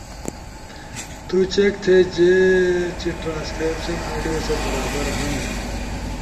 تو چیک تھے چی ٹرانسکریپشن آڈیو ست برابر ہنو